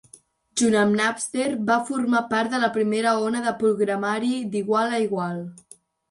Junt amb Napster, va formar part de la primera ona de programari d'igual a igual.